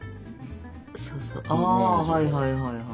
あはいはいはい。